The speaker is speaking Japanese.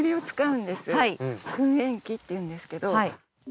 燻煙器っていうんですけど。